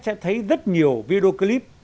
sẽ thấy rất nhiều video clip